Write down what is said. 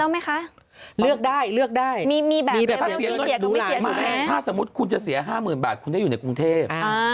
ไม่ถ้าสมมุติคุณจะเสียห้าหมื่นบาทคุณได้อยู่ในกรุงเทพ